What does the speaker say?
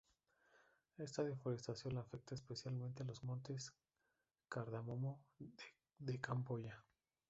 Esta deforestación afecta especialmente a los montes Cardamomo de Camboya.